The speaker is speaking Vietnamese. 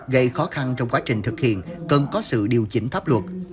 gây khó khăn trong quá trình thực hiện cần có sự điều chỉnh pháp luật